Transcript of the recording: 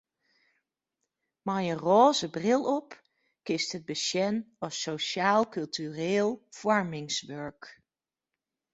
Mei in rôze bril op kinst it besjen as sosjaal-kultureel foarmingswurk.